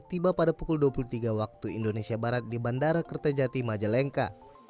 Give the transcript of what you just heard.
tiba pada pukul dua puluh tiga waktu indonesia barat di bandara kertajati majalengka